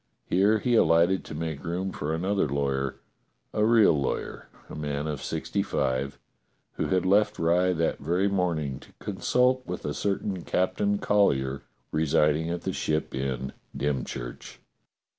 Here he alighted to make room for another lawyer, a real lawyer, a man of sixty five, who had left Rye that Very morning to consult with a certain Captain Collyer residing at the Ship Inn, Dymchurch.